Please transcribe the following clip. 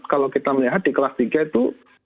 kalau kita melihat di kelas tiga itu